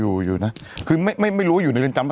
อยู่อยู่นะคือไม่ไม่รู้ว่าอยู่ในเรือนจำ